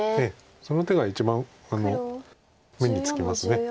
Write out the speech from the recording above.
その手が一番目につきます。